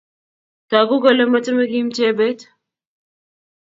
Tagu kole machame Kim chebet